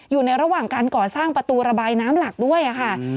อยู่ในระหว่างการก่อสร้างประตูระบายน้ำหลักด้วยค่ะ